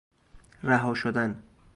رها شدن